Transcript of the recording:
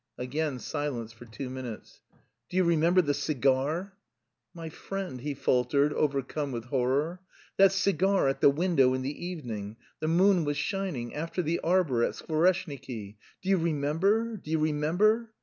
Again silence for two minutes. "Do you remember the cigar?" "My friend," he faltered, overcome with horror. "That cigar at the window in the evening... the moon was shining... after the arbour... at Skvoreshniki? Do you remember, do you remember?"